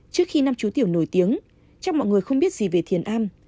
trước khi năm chú tiểu nổi tiếng chắc mọi người không biết gì về thiền an